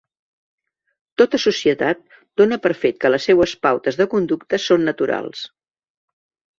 Tota societat dóna per fet que les seues pautes de conducta són naturals.